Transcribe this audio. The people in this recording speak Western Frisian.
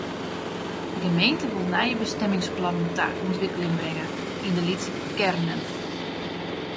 De gemeente wol nije bestimmingsplannen ta ûntwikkeling bringe yn de lytse kearnen.